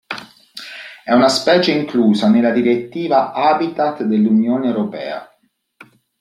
È una specie inclusa nella Direttiva Habitat dell'Unione europea.